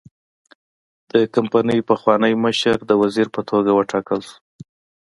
د کمپنۍ پخوانی مشر د وزیر په توګه وټاکل شو.